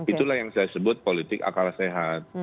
itulah yang saya sebut politik akal sehat